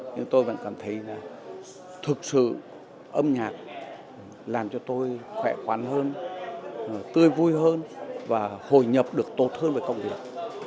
nhưng tôi vẫn cảm thấy là thực sự âm nhạc làm cho tôi khỏe khoán hơn tươi vui hơn và hồi nhập được tốt hơn với công việc